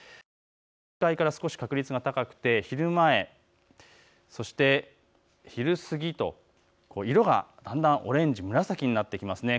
朝の段階から少し確率が高くて昼前、そして昼過ぎと、色がだんだんオレンジ、紫になってきますね。